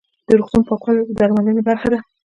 د روغتون پاکوالی د درملنې برخه ده.